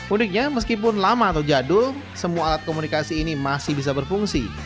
uniknya meskipun lama atau jadul semua alat komunikasi ini masih bisa berfungsi